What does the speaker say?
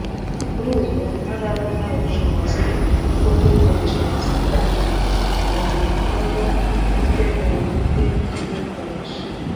kuri ubu ntarabona ubushobozi bwo kuyikoresha gusa nanjye ntamikoro mfite ngo mpite nyikoresha